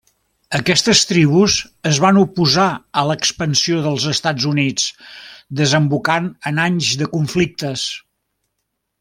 Aquestes tribus es van oposar a l'expansió dels Estats Units, desembocant en anys de conflictes.